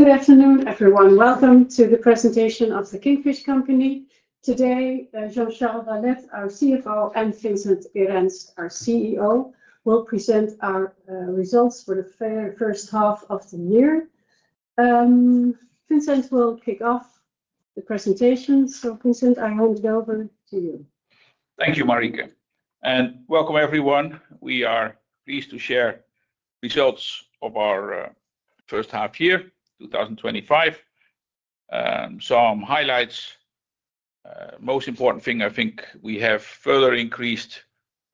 Good afternoon, everyone. Welcome to the presentation of The Kingfish Company. Today, Jean-Charles Valette, our CFO, and Vincent Erenst, our CEO, will present our results for the first half of the year. Vincent will kick off the presentation. So, Vincent, I hand it over to you. Thank you, Marieke, and welcome, everyone. We are pleased to share results of our first half year 2025, some highlights. The most important thing, I think, we have further increased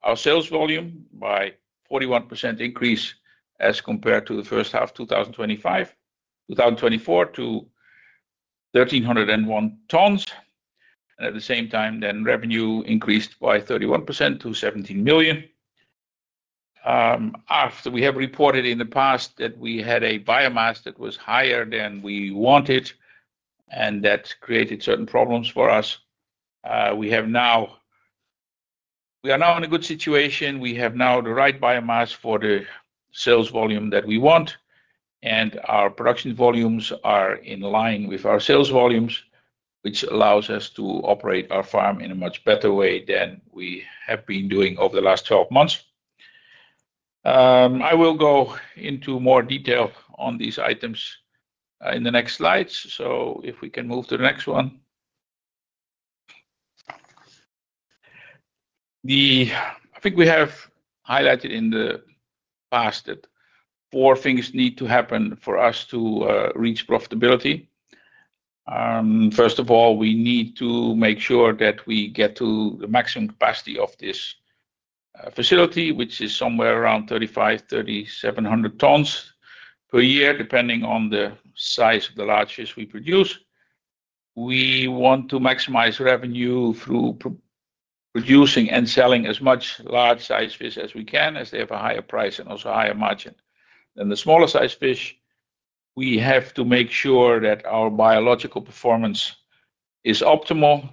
our sales volume by a 41% increase as compared to the first half of 2024 to 1,301 tons, and at the same time, revenue increased by 31% to 17 million EUR. We have reported in the past that we had a biomass that was higher than we wanted, and that created certain problems for us. We are now in a good situation. We have now the right biomass for the sales volume that we want, and our production volumes are in line with our sales volumes, which allows us to operate our farm in a much better way than we have been doing over the last 12 months. I will go into more detail on these items in the next slides. So, if we can move to the next one. I think we have highlighted in the past that four things need to happen for us to reach profitability. First of all, we need to make sure that we get to the maximum capacity of this facility, which is somewhere around 3,500-3,700 tons per year, depending on the size of the large fish we produce. We want to maximize revenue through producing and selling as much large-sized fish as we can, as they have a higher price and also a higher margin than the smaller-sized fish. We have to make sure that our biological performance is optimal.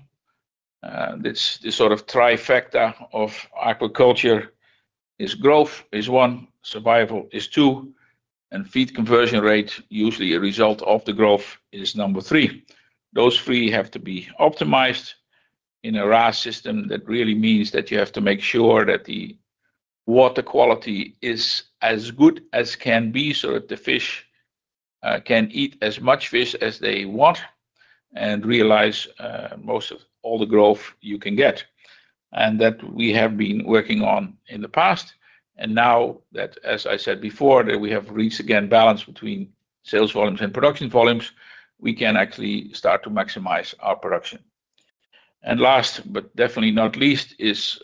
This trifecta of aquaculture is growth, is one, survival is two, and feed conversion rate, usually a result of the growth, is number three. Those three have to be optimized in a RAS system that really means that you have to make sure that the water quality is as good as can be so that the fish can eat as much fish as they want and realize most of all the growth you can get, and that we have been working on in the past, and now that, as I said before, that we have reached again balance between sales volumes and production volumes, we can actually start to maximize our production, and last, but definitely not least, is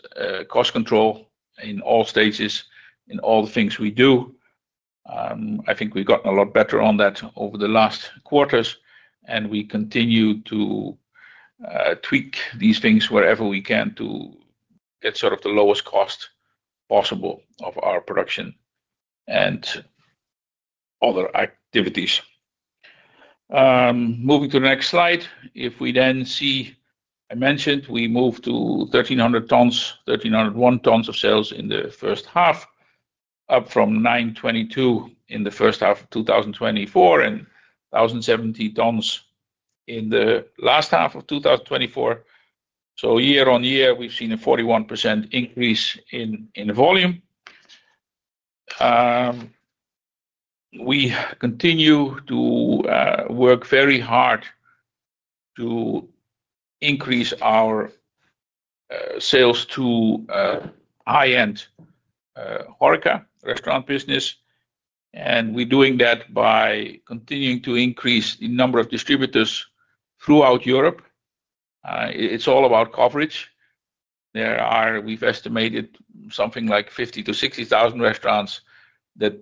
cost control in all stages, in all the things we do. I think we've gotten a lot better on that over the last quarters, and we continue to tweak these things wherever we can to get the lowest cost possible of our production and other activities. Moving to the next slide, if we then see, I mentioned we moved to 1,301 tons of sales in the first half, up from 922 in the first half of 2024 and 1,070 tons in the last half of 2024. So, year on year, we've seen a 41% increase in volume. We continue to work very hard to increase our sales to high-end Horeca restaurant business, and we're doing that by continuing to increase the number of distributors throughout Europe. It's all about coverage. We've estimated something like 50,000-60,000 restaurants that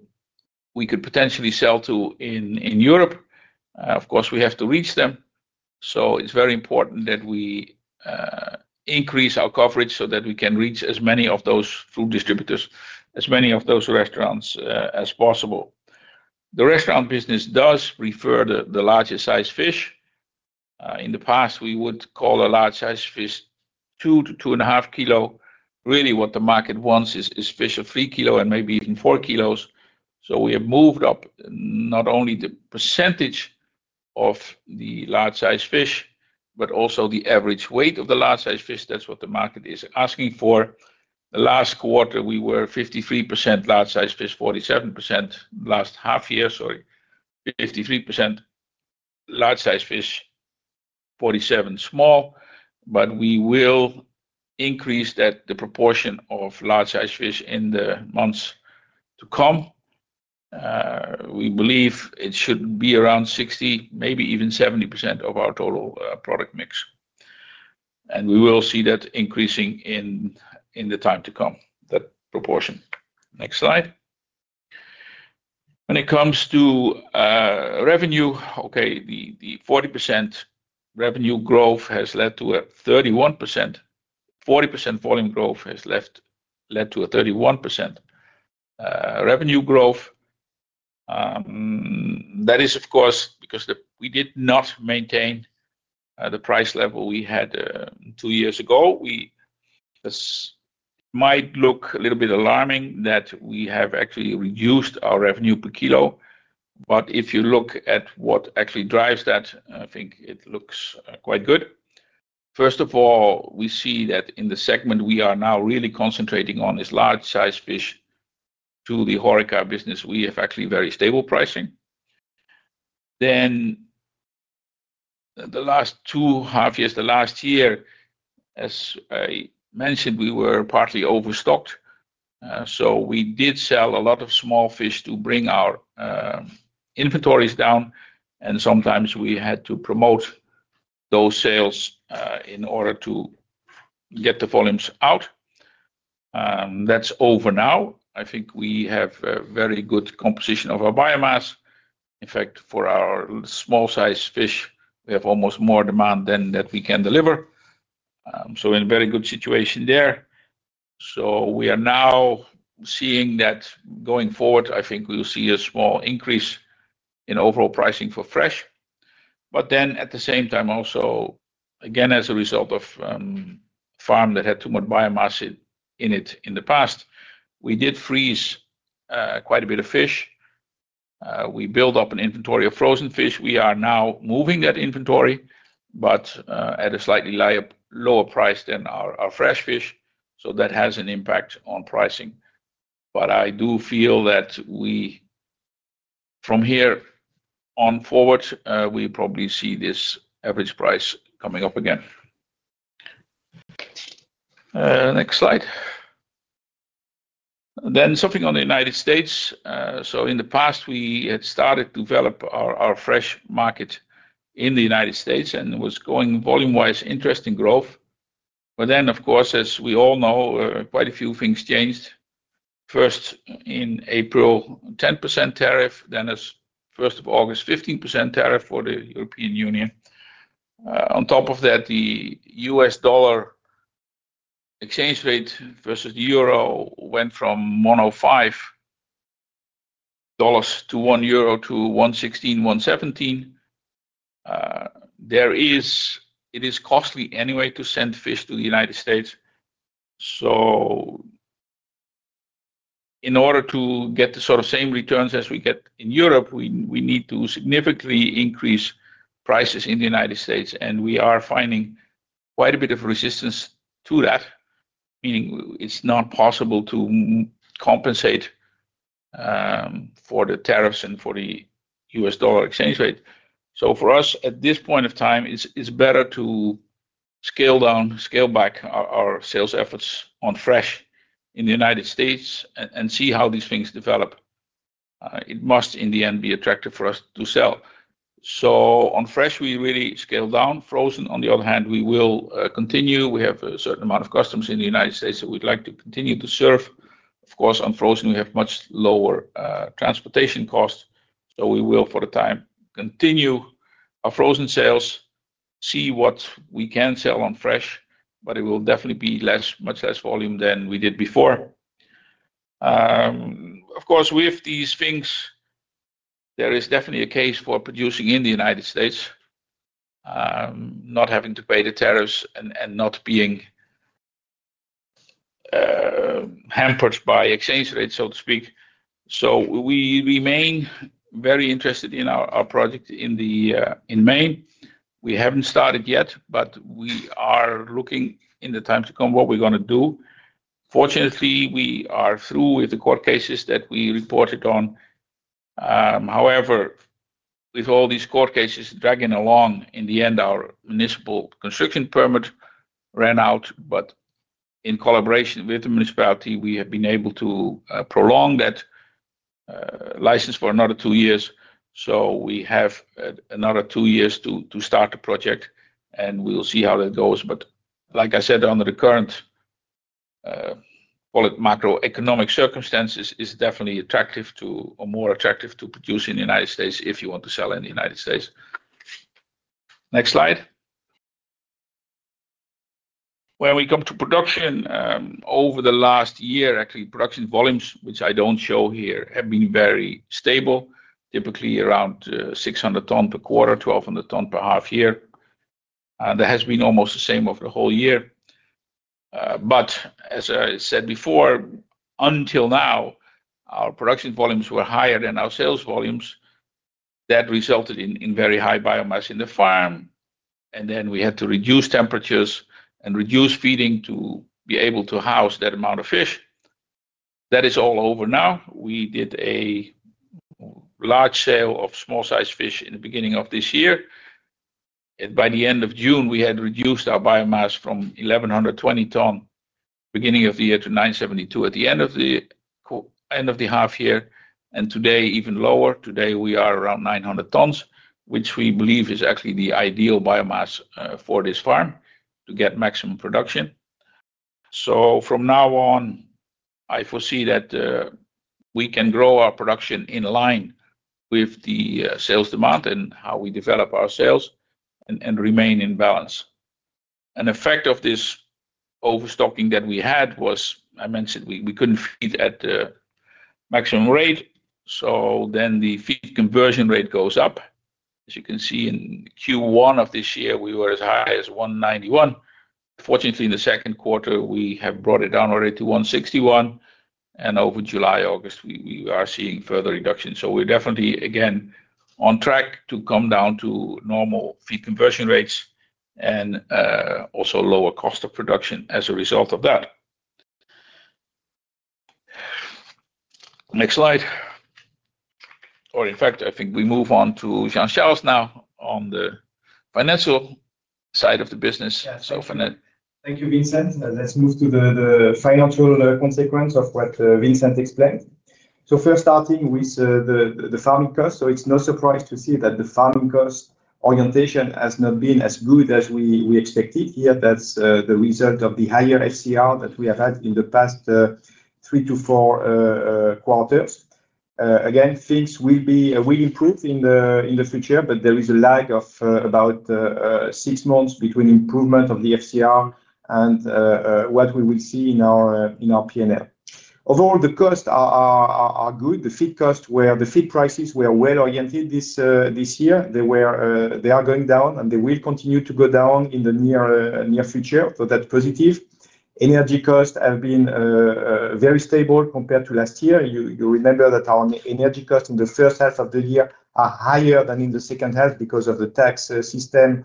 we could potentially sell to in Europe. Of course, we have to reach them. So, it's very important that we increase our coverage so that we can reach as many of those food distributors, as many of those restaurants as possible. The restaurant business does prefer the larger-sized fish. In the past, we would call a large-sized fish 2 to 2.5 kilos. Really, what the market wants is fish of 3 kilos and maybe even 4 kilos. So, we have moved up not only the percentage of the large-sized fish, but also the average weight of the large-sized fish. That's what the market is asking for. The last quarter, we were 53% large-sized fish, 47% last half year, sorry, 53% large-sized fish, 47% small, but we will increase that, the proportion of large-sized fish in the months to come. We believe it should be around 60%, maybe even 70% of our total product mix, and we will see that increasing in the time to come, that proportion. Next slide. When it comes to revenue, okay, the 40% revenue growth has led to a 31%, 40% volume growth has led to a 31% revenue growth. That is, of course, because we did not maintain the price level we had two years ago. It might look a little bit alarming that we have actually reduced our revenue per kilo. But if you look at what actually drives that, I think it looks quite good. First of all, we see that in the segment we are now really concentrating on is large-sized fish to the Horeca business. We have actually very stable pricing. Then, the last two half years, the last year, as I mentioned, we were partly overstocked. So, we did sell a lot of small fish to bring our inventories down, and sometimes we had to promote those sales in order to get the volumes out. That's over now. I think we have a very good composition of our biomass. In fact, for our small-sized fish, we have almost more demand than that we can deliver. So, in a very good situation there. So, we are now seeing that going forward, I think we'll see a small increase in overall pricing for fresh. But then, at the same time, also, again, as a result of a farm that had too much biomass in it in the past, we did freeze quite a bit of fish. We built up an inventory of Frozen fish. We are now moving that inventory, but at a slightly lower price than our fresh fish. So, that has an impact on pricing. But I do feel that from here on forward, we probably see this average price coming up again. Next slide. Then, something on the United States. In the past, we had started to develop our fresh market in the United States and was going volume-wise, interesting growth. But then, of course, as we all know, quite a few things changed. First, in April, 10% tariff. Then, as of the 1st of August, 15% tariff for the European Union. On top of that, the U.S. dollar exchange rate versus the euro went from $1.05 to $1.16, $1.17. It is costly anyway to send fish to the United States. In order to get the same returns as we get in Europe, we need to significantly increase prices in the United States, and we are finding quite a bit of resistance to that, meaning it's not possible to compensate for the tariffs and for the U.S. dollar exchange rate. So, for us, at this point of time, it's better to scale down, scale back our sales efforts on fresh in the United States and see how these things develop. It must, in the end, be attractive for us to sell. So, on fresh, we really scale down. Frozen, on the other hand, we will continue. We have a certain amount of customers in the United States that we'd like to continue to serve. Of course, on Frozen, we have much lower transportation costs. So, we will, for the time, continue our Frozen sales, see what we can sell on fresh, but it will definitely be much less volume than we did before. Of course, with these things, there is definitely a case for producing in the United States, not having to pay the tariffs and not being hampered by exchange rates, so to speak. So, we remain very interested in our project in Maine. We haven't started yet, but we are looking in the time to come what we're going to do. Fortunately, we are through with the court cases that we reported on. However, with all these court cases dragging along, in the end, our municipal construction permit ran out. But in collaboration with the municipality, we have been able to prolong that license for another two years. So, we have another two years to start the project, and we'll see how that goes. But like I said, under the current, call it macroeconomic circumstances, it's definitely attractive to or more attractive to produce in the United States if you want to sell in the United States. Next slide. When we come to production, over the last year, actually, production volumes, which I don't show here, have been very stable, typically around 600 tons per quarter, 1,200 tons per half year. That has been almost the same over the whole year. But as I said before, until now, our production volumes were higher than our sales volumes. That resulted in very high biomass in the farm, and then we had to reduce temperatures and reduce feeding to be able to house that amount of fish. That is all over now. We did a large sale of small-sized fish in the beginning of this year. By the end of June, we had reduced our biomass from 1,120 tons at the beginning of the year to 972 at the end of the half year, and today, even lower. Today, we are around 900 tons, which we believe is actually the ideal biomass for this farm to get maximum production. So, from now on, I foresee that we can grow our production in line with the sales demand and how we develop our sales and remain in balance. An effect of this overstocking that we had was, I mentioned, we couldn't feed at the maximum rate. So, then the feed conversion rate goes up. As you can see in Q1 of this year, we were as high as 1.91. Fortunately, in the second quarter, we have brought it down already to 1.61. And over July, August, we are seeing further reductions. So, we're definitely, again, on track to come down to normal feed conversion rates and also lower cost of production as a result of that. Next slide. Or, in fact, I think we move on to Jean-Charles now on the financial side of the business. Thank you, Vincent. Let's move to the financial consequence of what Vincent explained. So, first, starting with the farming cost. So, it's no surprise to see that the farming cost orientation has not been as good as we expected here. That's the result of the higher FCR that we have had in the past three to four quarters. Again, things will improve in the future, but there is a lag of about six months between improvement of the FCR and what we will see in our P&L. Overall, the costs are good. The feed costs, the feed prices were well oriented this year. They are going down, and they will continue to go down in the near future. So, that's positive. Energy costs have been very stable compared to last year. You remember that our energy costs in the first half of the year are higher than in the second half because of the tax system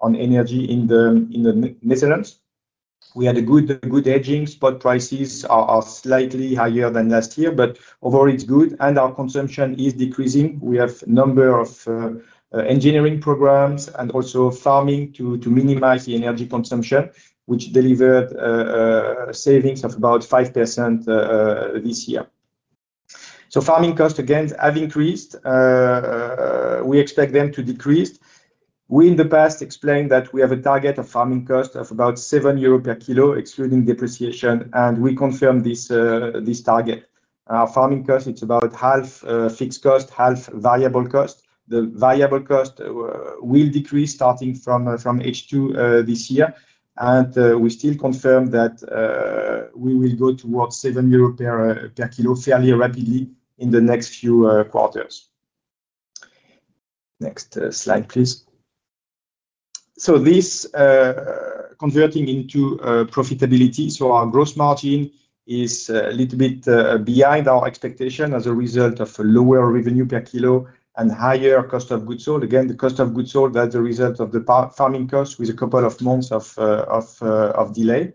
on energy in the Netherlands. We had a good hedging. Spot prices are slightly higher than last year, but overall, it's good, and our consumption is decreasing. We have a number of engineering programs and also farming to minimize the energy consumption, which delivered savings of about 5% this year, so farming costs, again, have increased. We expect them to decrease. We, in the past, explained that we have a target of farming cost of about 7 euro per kilo, excluding depreciation, and we confirmed this target. Our farming cost, it's about half fixed cost, half variable cost. The variable cost will decrease starting from H2 this year. And we still confirm that we will go towards 7 euro per kilo fairly rapidly in the next few quarters. Next slide, please. So, this converting into profitability. So, our gross margin is a little bit behind our expectation as a result of lower revenue per kilo and higher cost of goods sold. Again, the cost of goods sold, that's the result of the farming cost with a couple of months of delay.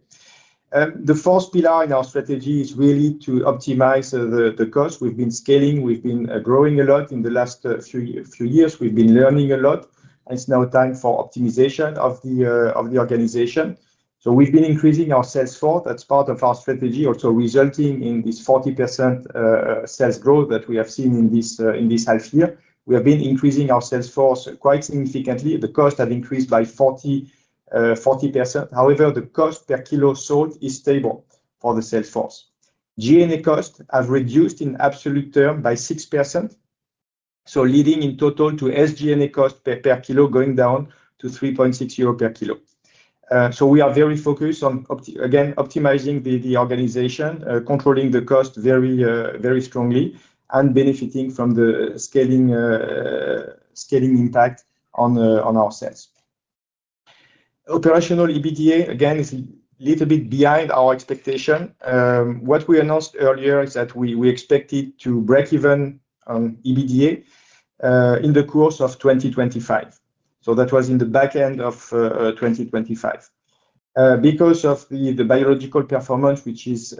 The fourth pillar in our strategy is really to optimize the cost. We've been scaling. We've been growing a lot in the last few years. We've been learning a lot. It's now time for optimization of the organization. So, we've been increasing our sales force. That's part of our strategy, also resulting in this 40% sales growth that we have seen in this half year. We have been increasing our sales force quite significantly. The costs have increased by 40%. However, the cost per kilo sold is stable for the sales force. SG&A costs have reduced in absolute term by 6%. So, leading in total to SG&A cost per kilo going down to 3.6 euro per kilo. So, we are very focused on, again, optimizing the organization, controlling the cost very strongly, and benefiting from the scaling impact on our sales. Operational EBITDA, again, is a little bit behind our expectation. What we announced earlier is that we expected to break even on EBITDA in the course of 2025. So, that was in the back end of 2025. Because of the biological performance, which is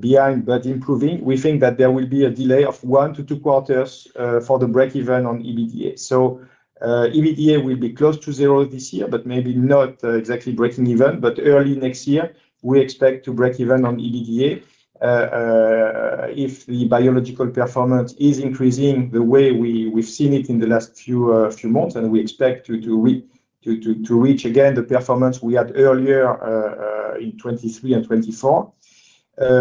behind but improving, we think that there will be a delay of one to two quarters for the break even on EBITDA. So, EBITDA will be close to zero this year, but maybe not exactly breaking even. Early next year, we expect to break even on EBITDA if the biological performance is increasing the way we've seen it in the last few months. We expect to reach, again, the performance we had earlier in 2023 and 2024.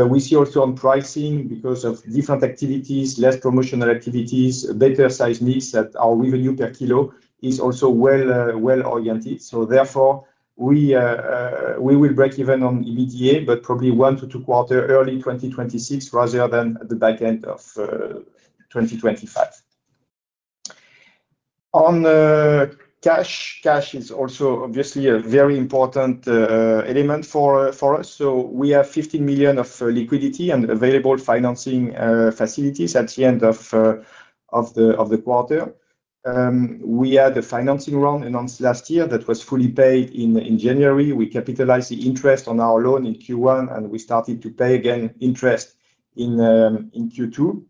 We see also on pricing because of different activities, less promotional activities, better size mix that our revenue per kilo is also well oriented. Therefore, we will break even on EBITDA, but probably one to two quarters in early 2026 rather than the back end of 2025. On cash, cash is also obviously a very important element for us. We have 15 million of liquidity and available financing facilities at the end of the quarter. We had a financing run last year that was fully paid in January. We capitalized the interest on our loan in Q1, and we started to pay again interest in Q2.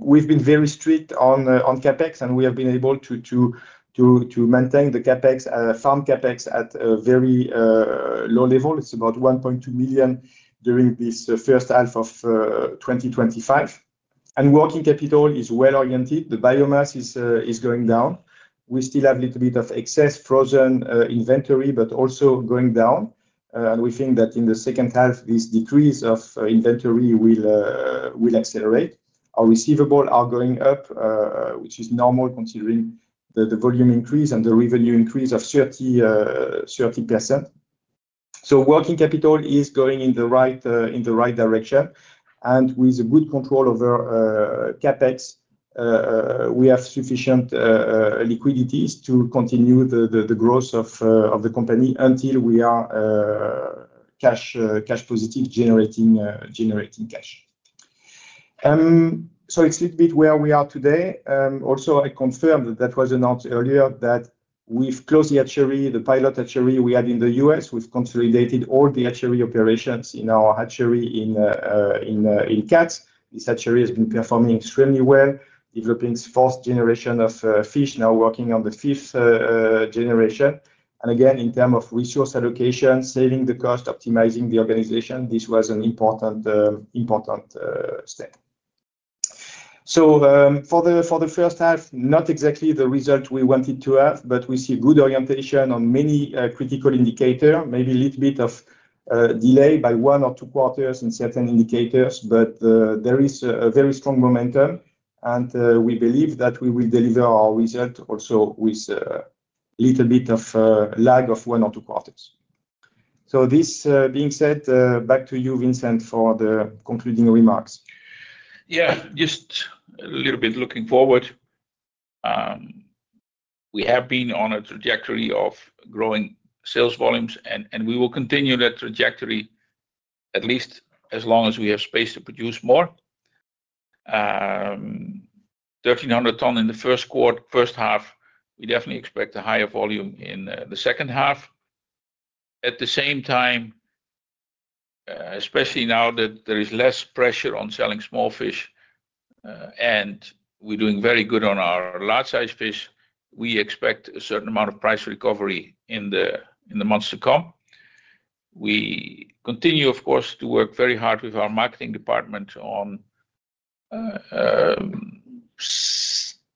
We've been very strict on CapEx, and we have been able to maintain the CapEx, farm CapEx at a very low level. It's about 1.2 million during this first half of 2025. Working capital is well oriented. The biomass is going down. We still have a little bit of excess Frozen inventory, but also going down. We think that in the second half, this decrease of inventory will accelerate. Our receivables are going up, which is normal considering the volume increase and the revenue increase of 30%. Working capital is going in the right direction. With good control over CapEx, we have sufficient liquidities to continue the growth of the company until we are cash positive, generating cash. It's a little bit where we are today. Also, I confirmed that was announced earlier that we've closed the hatchery, the pilot hatchery we had in the U.S. We've consolidated all the hatchery operations in our hatchery in Kats. This hatchery has been performing extremely well, developing fourth generation of fish, now working on the fifth generation. And again, in terms of resource allocation, saving the cost, optimizing the organization, this was an important step. So, for the first half, not exactly the result we wanted to have, but we see good orientation on many critical indicators. Maybe a little bit of delay by one or two quarters in certain indicators, but there is a very strong momentum. And we believe that we will deliver our result also with a little bit of lag of one or two quarters. So, this being said, back to you, Vincent, for the concluding remarks. Yeah, just a little bit looking forward. We have been on a trajectory of growing sales volumes, and we will continue that trajectory at least as long as we have space to produce more. 1,300 tons in the first quarter, first half, we definitely expect a higher volume in the second half. At the same time, especially now that there is less pressure on selling small fish and we're doing very good on our large-sized fish, we expect a certain amount of price recovery in the months to come. We continue, of course, to work very hard with our marketing department on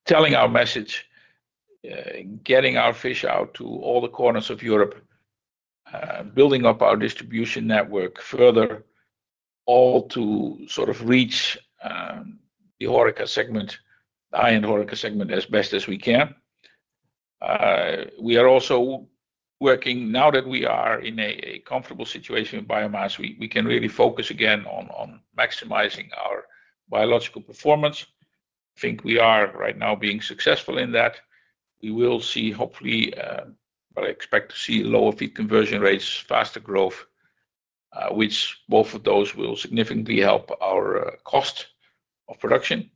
telling our message, getting our fish out to all the corners of Europe, building up our distribution network further, all to reach the high-end Horeca segment as best as we can. We are also working now that we are in a comfortable situation with biomass, we can really focus again on maximizing our biological performance. I think we are right now being successful in that. We will see, hopefully, but I expect to see lower feed conversion rates, faster growth, which both of those will significantly help our cost of production.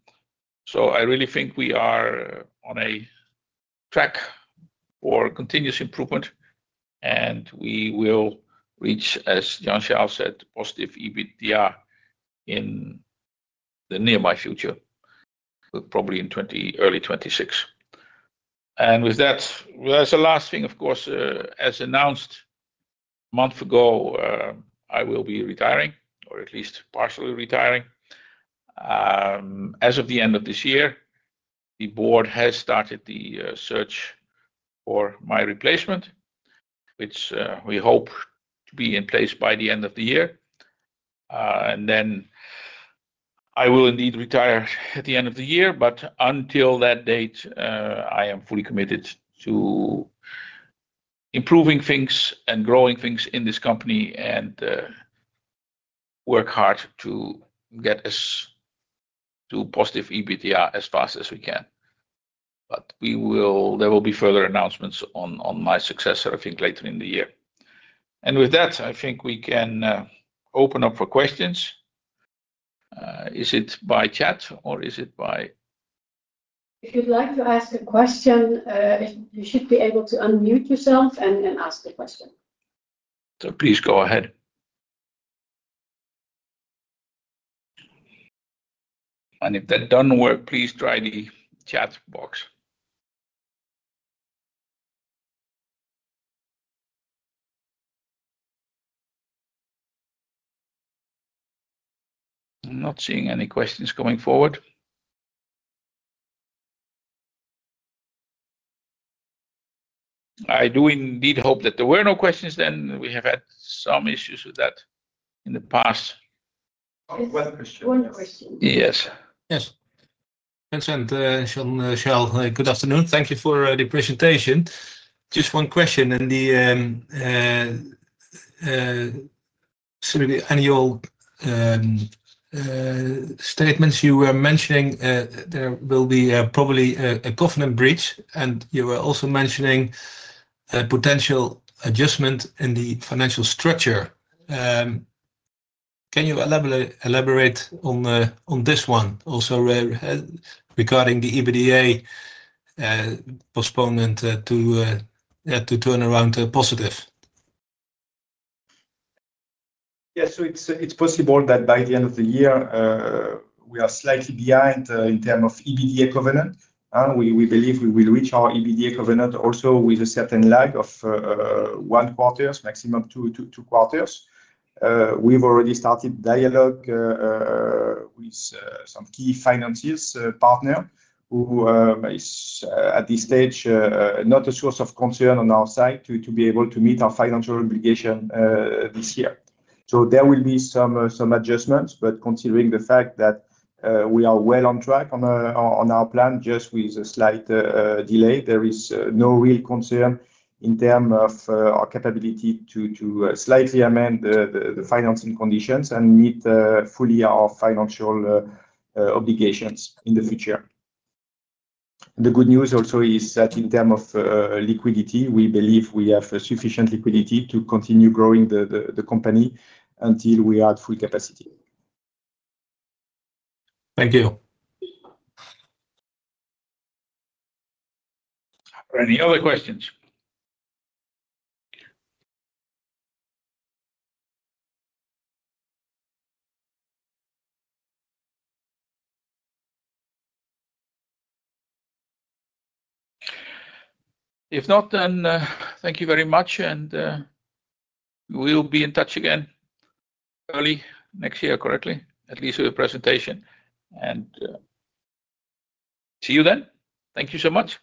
So, I really think we are on a track for continuous improvement, and we will reach, as Jean-Charles said, positive EBITDA in the nearby future, probably in early 2026. With that, as a last thing, of course, as announced a month ago, I will be retiring, or at least partially retiring. As of the end of this year, the board has started the search for my replacement, which we hope to be in place by the end of the year. Then I will indeed retire at the end of the year, but until that date, I am fully committed to improving things and growing things in this company and work hard to get us to positive EBITDA as fast as we can. But there will be further announcements on my successor, I think, later in the year. With that, I think we can open up for questions. Is it by chat, or is it by? If you'd like to ask a question, you should be able to unmute yourself and ask the question. Please go ahead. If that doesn't work, please try the chat box. I'm not seeing any questions coming forward. I do indeed hope that there were no questions, then we have had some issues with that in the past. One question. Yes? Vincent, Jean-Charles, good afternoon. Thank you for the presentation. Just one question. In the annual statements you were mentioning, there will be probably a covenant breach, and you were also mentioning a potential adjustment in the financial structure. Can you elaborate on this one also regarding the EBITDA postponement to turn around to positive? Yes. So, it's possible that by the end of the year, we are slightly behind in terms of EBITDA covenant. We believe we will reach our EBITDA covenant also with a certain lag of one quarter, maximum two quarters. We've already started dialogue with some key finance partners who is, at this stage, not a source of concern on our side to be able to meet our financial obligation this year. So, there will be some adjustments, but considering the fact that we are well on track on our plan, just with a slight delay, there is no real concern in terms of our capability to slightly amend the financing conditions and meet fully our financial obligations in the future. The good news also is that in terms of liquidity, we believe we have sufficient liquidity to continue growing the company until we are at full capacity. Thank you. Any other questions? If not, then thank you very much, and we'll be in touch again early next year, correctly? At least with a presentation. And see you then. Thank you so much.